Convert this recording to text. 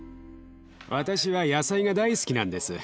私は野菜が大好きなんです。